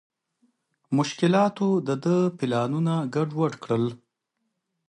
مشکلاتو د ده پلانونه ګډ وډ کړل.